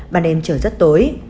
bàn đêm trở rất tối